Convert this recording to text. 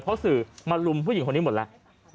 เพราะสื่อมาลุมผู้หญิงคนนี้หมดแล้ว